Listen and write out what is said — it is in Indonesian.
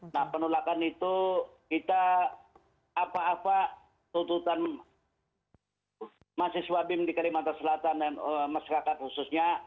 nah penolakan itu kita apa apa tuntutan mahasiswa bim di kalimantan selatan dan masyarakat khususnya